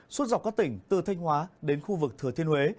suốt dọc các tỉnh từ thanh hóa đến khu vực thừa thiên huế